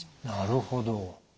なるほど。